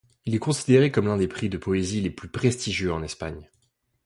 Il est considéré comme l'un des prix de poésie les plus prestigieux en Espagne.